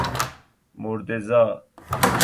مرده زا